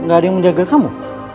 gak ada yang menjaga kamu